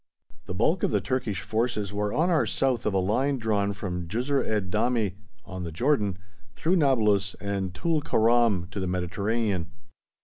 The bulk of the Turkish forces were on or south of a line drawn from Jisr ed Damie, on the Jordan, through Nablus and Tul Keram to the Mediterranean.